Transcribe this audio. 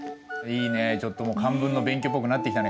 ちょっともう漢文の勉強っぽくなってきたね